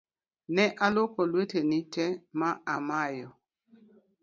Ne aluoko leuni tee ma amoyo